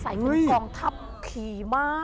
ใส่เป็นกองทัพขี่มา